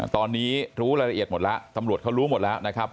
ตอนนี้รู้รายละเอียดหมดแล้วตำรวจเขารู้หมดแล้วนะครับ